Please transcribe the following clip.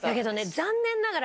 残念ながら。